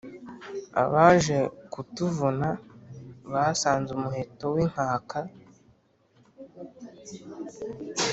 abaje kutuvuna basanze umuheto w'inkaka